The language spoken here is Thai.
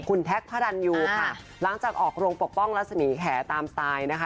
คุณแท็กพระรันยูค่ะหลังจากออกโรงปกป้องรัศมีแขตามสไตล์นะคะ